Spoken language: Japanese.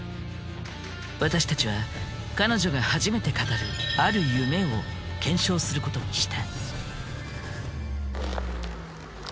私たちは彼女が初めて語るある夢を検証することにした。